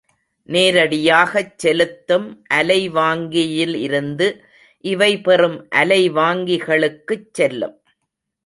நேரடியாகச் செலுத்தும் அலைவாங்கியிலிருந்து இவை பெறும் அலைவாங்கிகளுக்குச் செல்லும்.